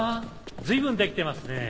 随分出来てますね。